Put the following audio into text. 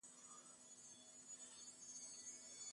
Momentuz, ez da zauriturik ezta kalterik ere zenbatu.